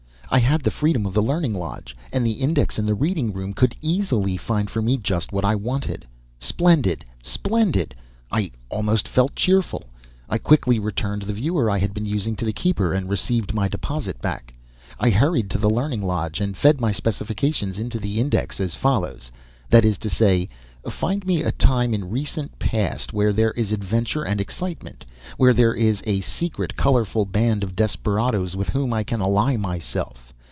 I had the freedom of the Learning Lodge, and the index in the reading room could easily find for me just what I wanted. Splendid, splendid! I almost felt cheerful. I quickly returned the viewer I had been using to the keeper, and received my deposit back. I hurried to the Learning Lodge and fed my specifications into the index, as follows, that is to say: Find me a time in recent past where there is adventure and excitement, where there is a secret, colorful band of desperadoes with whom I can ally myself.